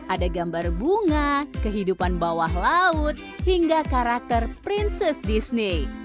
ada gambar bunga kehidupan bawah laut hingga karakter princess disney